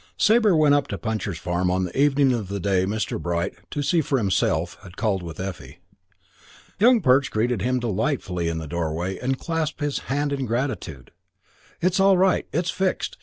Sabre went up to Puncher's Farm on the evening of the day Mr. Bright, "to see for himself", had called with Effie. Young Perch greeted him delightedly in the doorway and clasped his hand in gratitude. "It's all right. It's fixed.